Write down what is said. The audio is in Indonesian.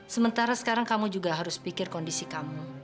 sementara sekarang kamu juga harus pikir kondisi kamu